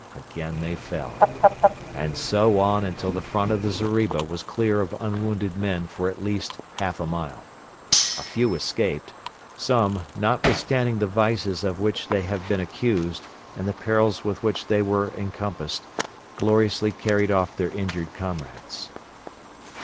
Again they fell. And so on until the front of the zeriba was clear of unwounded men for at least half a mile. A few escaped. Some, notwithstanding the vices of which they have been accused and the perils with which they were encompassed, gloriously carried off their injured comrades.